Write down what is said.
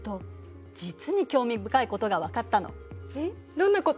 どんなこと？